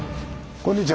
こんにちは。